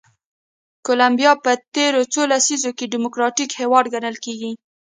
کولمبیا په تېرو څو لسیزو کې ډیموکراتیک هېواد ګڼل کېږي.